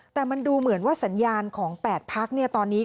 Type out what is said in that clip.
แต่มันดูเหมือนว่าสัญญาณของ๘พักตอนนี้